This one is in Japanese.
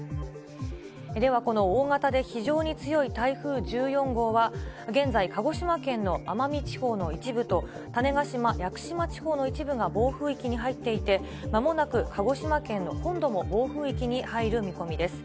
ではこの大型で非常に強い台風１４号は、現在、鹿児島県の奄美地方の一部と種子島・屋久島地方の一部が暴風域に入っていて、まもなく鹿児島県の本土も暴風域に入る見込みです。